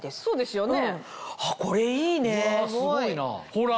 ほら！